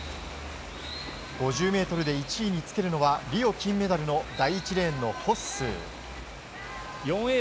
５０ｍで１位につけるのはリオ金メダル第１レーンのホッスー。